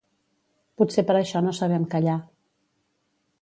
Potser per això no sabem callar.